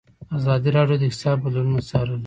ازادي راډیو د اقتصاد بدلونونه څارلي.